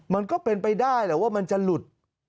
มันก็เป็นไปได้แหละว่ามันจะหลุด